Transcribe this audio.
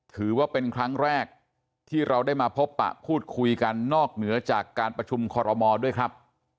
ถือว่าเป็นครั้งแรกที่เราได้มาพบปะพูดคุยกันนอกเหนือจากการประชุมคอรมอลด้วยครับ